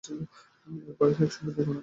এক বাড়িতে একসঙ্গে দুই কন্যাকে আক্রমণ!